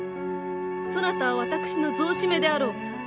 そなたは私の雑仕女であろう。